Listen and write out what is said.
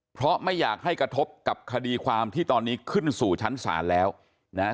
เพราะไม่อยากให้กระทบกับคดีความที่ตอนนี้ขึ้นสู่ชั้นศาลแล้วนะฮะ